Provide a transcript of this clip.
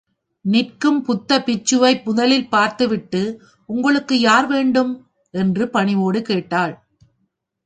நிற்கும் புத்த பிட்சுவை முதலில் பார்த்துவிட்டு, உங்களுக்கு யார் வேண்டும்? என்று பணிவோடு கேட்டாள்.